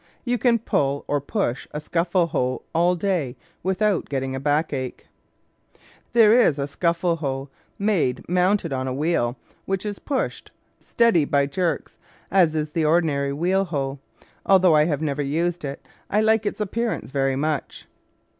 You can pull or push a scuffle hoe all day without get ting a backache. There is a scuffle hoe made mounted on a wheel which is pushed " steady by jerks," as is the ordi nary wheel hoe. Although I have never used it, I like its appearance very much.